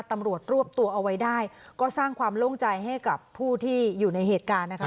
ตำรวจรวบตัวเอาไว้ได้ก็สร้างความโล่งใจให้กับผู้ที่อยู่ในเหตุการณ์นะคะ